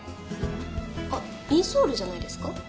あっインソールじゃないですか？